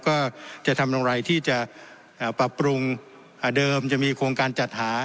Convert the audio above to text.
ก็จะทำอย่างไรที่จะปรับปรุงเดิมจะมีโครงการจัดหา